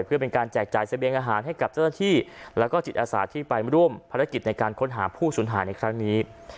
เพื่อเป็นการแจกจ่ายเสบียงอาหารให้กับเจ้าหน้าที่แล้วก็จิตอาสาที่ไปร่วมภารกิจในการค้นหาผู้สูญหายในครั้งนี้